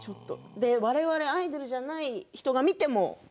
我々アイドルじゃない人が見ても。